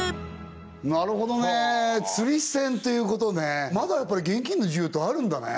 なるほどねつり銭っていうことねまだやっぱり現金の需要ってあるんだね